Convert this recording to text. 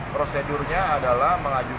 prosedurnya adalah mengantar